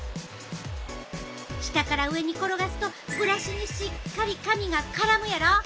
下から上に転がすとブラシにしっかり髪が絡むやろ。